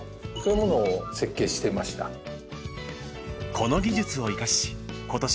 この技術を生かし今年